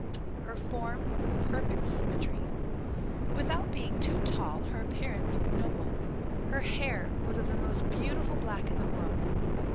Her form was perfect symmetry. Without being too tall, her appearance was noble. Her hair was of the most beautiful black in the world.